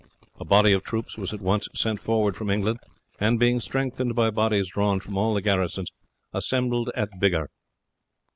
A body of troops was at once sent forward from England, and, being strengthened by bodies drawn from all the garrisons, assembled at Biggar.